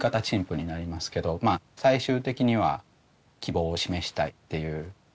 陳腐になりますけど最終的には希望を示したいっていう。